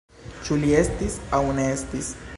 Ĉu li estis aŭ ne estis?